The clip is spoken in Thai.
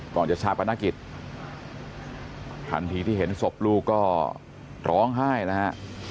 ก่อนจะชาปนกิจทันทีที่เห็นศพลูกก็ร้องไห้แล้วฮะ